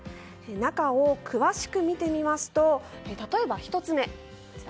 中を詳しく見てみますと例えば、１つ目。